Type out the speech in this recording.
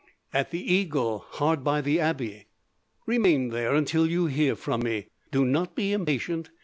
"At the Eagle, hard by the Abbey." "Remain there, until you hear from me. Do not be impatient.